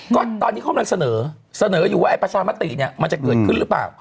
ก็ตอนนี้เขากำลังเสนอเสนออยู่ว่าไอ้ประชามติเนี่ยมันจะเกิดขึ้นหรือเปล่า